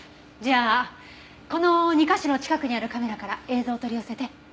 じゃあこの２カ所の近くにあるカメラから映像を取り寄せて。